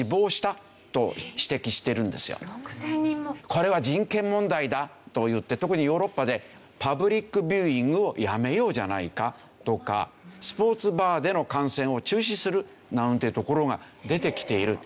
これは人権問題だといって特にヨーロッパでパブリックビューイングをやめようじゃないかとかスポーツバーでの観戦を中止するなんてところが出てきている。